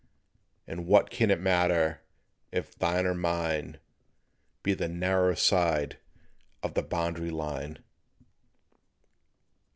And what can it matter if thine or mine Be the narrow side on the Boundary Line?